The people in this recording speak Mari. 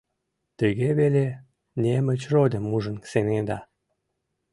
Тыге веле Немычродым ужын сеҥеда.